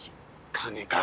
金か。